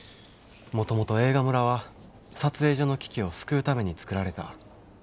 もともと映画村は撮影所の危機を救うために作られた。